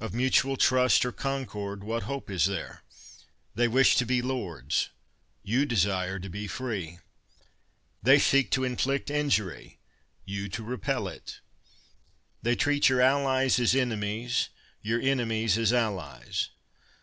Of mutual trust, or concord, what hope is there? They wish to be lords, you desire to be free; they seek to inflict injury, you to repel it; they treat your allies as enemies, your enemies as allies.